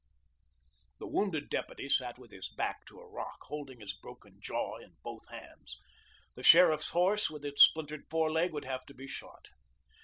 The wounded deputy sat with his back to a rock, holding his broken jaw in both hands. The sheriff's horse, with its splintered foreleg, would have to be shot.